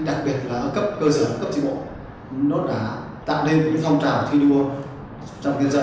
đặc biệt là cấp cơ sở cấp tri bộ nó đã tạo nên phong trào thi đua trong nhân dân